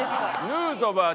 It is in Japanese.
ヌートバー